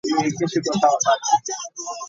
Obulamu bulabika bukunyumidde okukamala.